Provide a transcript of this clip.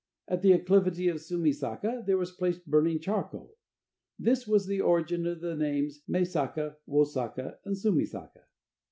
At the acclivity of Sumi Zaka was placed burning charcoal. This was the origin of the names Me Zaka, Wo Zaka and Sumi Zaka.